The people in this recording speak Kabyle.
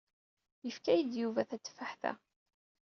Yefka-yi-d Yuba tateffaḥt-a.